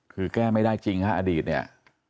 คือแก้ไม่ได้จริงฮะอดีตเนี่ย